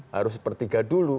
harus sepertiga dulu